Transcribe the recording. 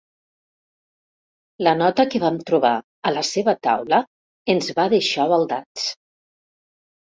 La nota que vam trobar a la seva taula ens va deixar baldats.